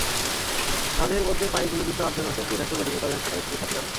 তাঁদের মধ্যে পায়ে গুলিবিদ্ধ আফজাল হোসেন দিনাজপুর মেডিকেল কলেজ হাসপাতালে চিকিৎসাধীন আছেন।